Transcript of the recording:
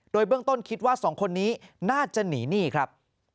โดยเบื้องต้นคิดว่าสองคนนี้น่าจะหนีหนี้ครับ